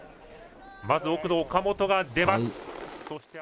まず奥の岡本が出ます。